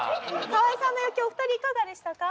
河合さんの余興お二人いかがでしたか？